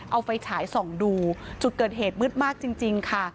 เอาไฟฉายส่องดูจุดเกิดเหตุมืดมากจริงค่ะ